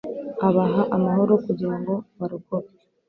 abaha amahoro kugira ngo barokoke